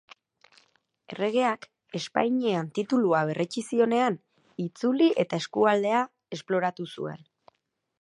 Erregeak Espainian titulua berretsi zionean, itzuli eta eskualdea esploratu zuen.